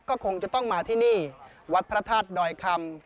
ก็คงจะต้องมาที่นี่วัดพระธาตุดอยคำ